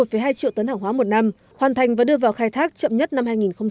một hai triệu tấn hàng hóa một năm hoàn thành và đưa vào khai thác chậm nhất năm hai nghìn hai mươi